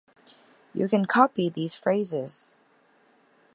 You can copy these phrases.